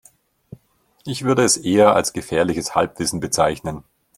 Ich würde es eher als gefährliches Halbwissen bezeichnen.